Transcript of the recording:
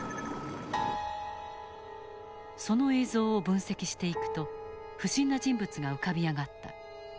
その映像を分析していくと不審な人物が浮かび上がった。